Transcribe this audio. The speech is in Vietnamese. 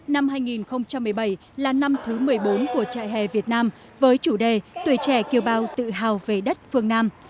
năm hai nghìn một mươi bảy là năm thứ một mươi bốn của trại hè việt nam với chủ đề tuổi trẻ kiều bào tự hào về đất phương nam